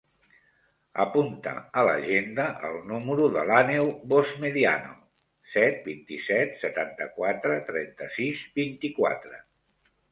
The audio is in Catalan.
Apunta a l'agenda el número de l'Àneu Vozmediano: set, vint-i-set, setanta-quatre, trenta-sis, vint-i-quatre.